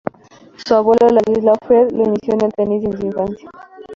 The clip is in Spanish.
Su abuelo, Ladislao Fried, lo inició en el tenis en su infancia.